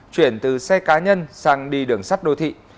chuyển từ xe cá nhân sang đi đường sắt đô thị